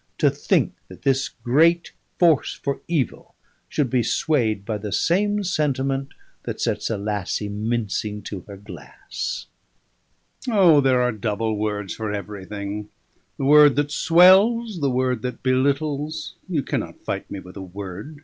"To think that this great force for evil should be swayed by the same sentiment that sets a lassie mincing to her glass!" "O! there are double words for everything: the word that swells, the word that belittles; you cannot fight me with a word!"